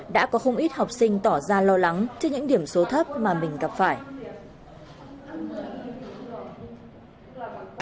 đã có không ít học sinh tỏ ra lo lắng trước những điểm số thấp mà mình không biết